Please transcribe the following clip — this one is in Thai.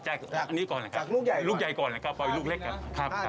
จากอันนี้ก่อนนะครับลูกใหญ่ก่อนนะครับปล่อยลูกเล็กก่อน